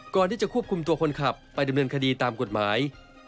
ก่อนที่จะควบคุมตัวคนขับไปดำเนินคดีตามกฎหมาย